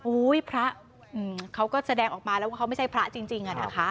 พระเขาก็แสดงออกมาแล้วว่าเขาไม่ใช่พระจริงอะนะคะ